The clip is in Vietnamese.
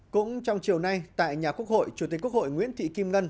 cũng trong chiều nay tại nhà quốc hội chủ tịch quốc hội nguyễn thị kim ngân